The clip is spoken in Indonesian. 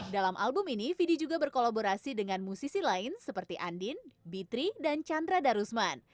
dalam album ini fidi juga berkolaborasi dengan musisi lain seperti andin b tiga dan chandra darusman